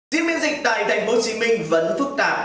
diễn biến dịch tại tp hcm vẫn phức tạp